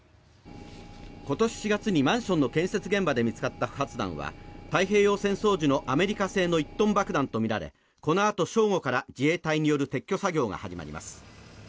今年４月にマンションの建設現場で見つかった不発弾は太平洋戦争時のアメリカ製の１トン爆弾とみられこのあと正午から自衛隊による撤去作業が始まります。